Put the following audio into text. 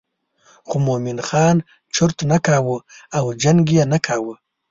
خو مومن خان چرت نه کاوه او جنګ یې نه کاوه.